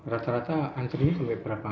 rata rata antrinya sampai berapa